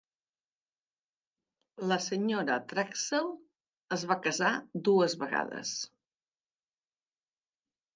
La Sra. Traxel es va casar dues vegades.